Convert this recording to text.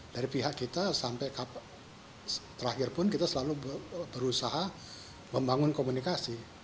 dari pihak kita sampai terakhir pun kita selalu berusaha membangun komunikasi